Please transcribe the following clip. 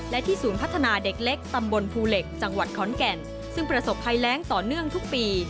และที่ศูนย์พัฒนาเด็กเล็กตำบลภูเหล็กจังหวัดขอนแก่นซึ่งประสบภัยแรงต่อเนื่องทุกปี